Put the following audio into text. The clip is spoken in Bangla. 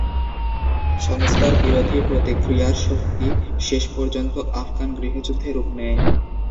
সংস্কার বিরোধী প্রতিক্রিয়ার শক্তি শেষ পর্যন্ত আফগান গৃহযুদ্ধে রূপ নেয়।